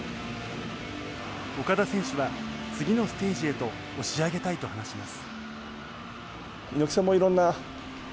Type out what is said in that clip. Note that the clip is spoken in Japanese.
オカダ選手は次のステージへと押し上げたいと話します。